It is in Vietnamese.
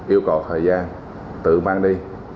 yêu cầu thời gian tự ban đi